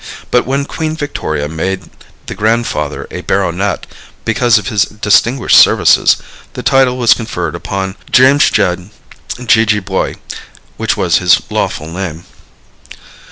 But when Queen Victoria made the grandfather a baronet because of distinguished services, the title was conferred upon Jamsetjed Jeejeebhoy, which was his lawful name.